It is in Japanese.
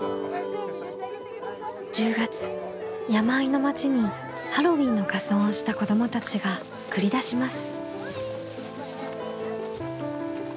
１０月山あいの町にハロウィーンの仮装をした子どもたちが繰り出します。